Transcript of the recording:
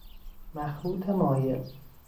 مخروط مایل